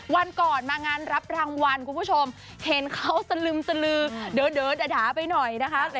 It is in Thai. วันก่อนมางานรับรางวัลคุณผู้ชมเห็นเขาสลึมสลือเดินด่าไปหน่อยนะคะ